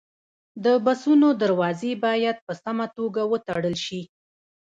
د بسونو دروازې باید په سمه توګه وتړل شي.